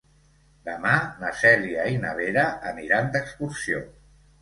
Demà na Cèlia i na Vera aniran d'excursió.